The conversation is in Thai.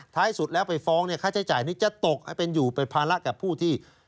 ท้ายสุดแล้วไปฟ้องค่าใช้จ่ายนี่จะตกอยู่ประภาระกับผู้ที่